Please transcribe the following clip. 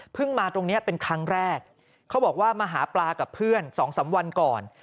มาตรงนี้เป็นครั้งแรกเขาบอกว่ามาหาปลากับเพื่อน๒๓วันก่อน